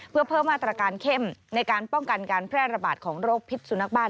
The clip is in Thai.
เพื่อเพิ่มมาตรการเข้มในการป้องกันการแพร่ระบาดของโรคพิษสุนัขบ้าน